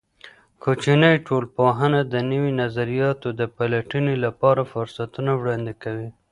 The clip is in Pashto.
کوچنۍ ټولنپوهنه د نوي نظریاتو د پلټنې لپاره فرصتونه وړاندې کوي.